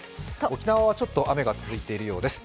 沖縄はちょっと雨が続いているようです。